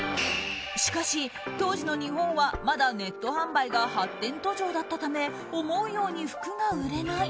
しかし、当時の日本はまだネット販売が発展途上だったため思うように服が売れない。